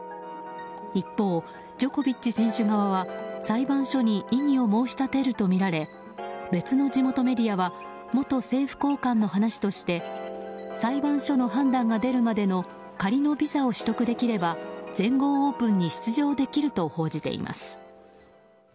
一方、ジョコビッチ選手側は裁判所に異議を申し立てるとみられ別の地元メディアは元政府高官の話として裁判所の判断が出るまでの仮のビザを取得できれば全豪オープンに出場できると報じています。